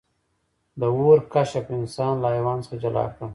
د اور کشف انسان له حیوان څخه جلا کړ.